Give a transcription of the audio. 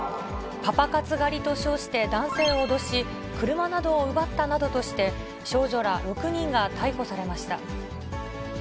パパ活狩りと称して男性を脅し、車などを奪ったなどとして、少女ら６人が逮捕されました。